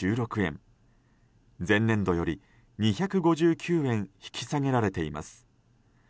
前年度より２５９円引き下げられています。